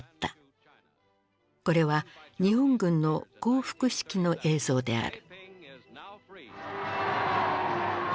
これは日本軍の降伏式の映像である。